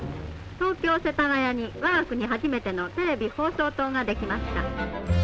「東京・世田谷に我が国初めてのテレビ放送塔が出来ました」。